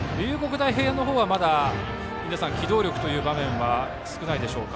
大平安の方は機動力という場面は少ないでしょうか。